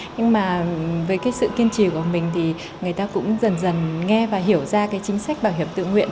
nhưng mà với cái sự kiên trì của mình thì người ta cũng dần dần nghe và hiểu ra cái chính sách bảo hiểm tự nguyện